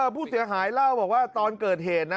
ผู้เสียหายเล่าบอกว่าตอนเกิดเหตุนะ